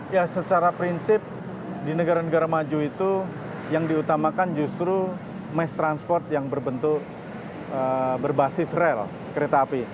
ya secara prinsip di negara negara maju itu yang diutamakan justru mass transport yang berbentuk berbasis rel kereta api